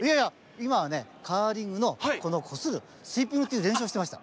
いまはねカーリングのこのこするスウィーピングっていうれんしゅうをしてました。